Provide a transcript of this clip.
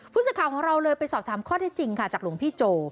ผู้สื่อข่าวของเราเลยไปสอบถามข้อที่จริงค่ะจากหลวงพี่โจ